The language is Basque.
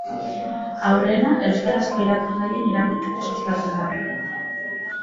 Aurrena euskarazko irakurgaien irakurketa sustatzea da.